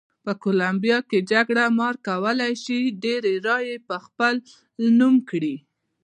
په کولمبیا کې جګړه مار کولای شي ډېرې رایې په خپل نوم کړي.